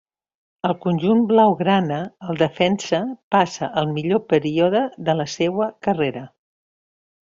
Al conjunt blaugrana, el defensa passa el millor període de la seua carrera.